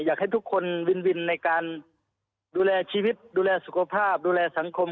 อยากให้ทุกคนวินวินในการดูแลชีวิตดูแลสุขภาพดูแลสังคม